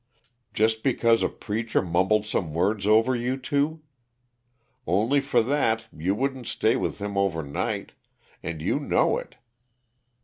Just because a preacher mumbled some words over you two! Only for that, you wouldn't stay with him over night, and you know it!